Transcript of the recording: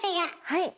はい。